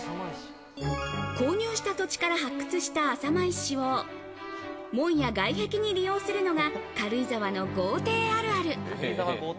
購入した土地から発掘した浅間石を、門や外壁に利用するのが軽井沢の豪邸あるある。